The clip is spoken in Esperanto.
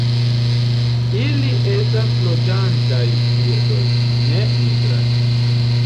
Ili estas loĝantaj birdoj, ne migras.